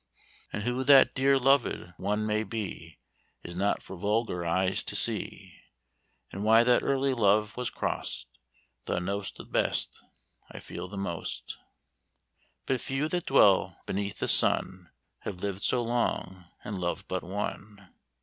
"And who that dear loved one may be Is not for vulgar eyes to see, And why that early love was cross'd, Thou know'st the best, I feel the most; But few that dwell beneath the sun Have loved so long, and loved but one.